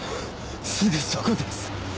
すぐそこです。